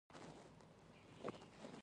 غوږونه د سکوت مزه پېژني